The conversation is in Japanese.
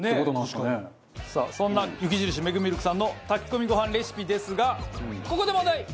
さあそんな雪印メグミルクさんの炊き込みご飯レシピですがここで問題。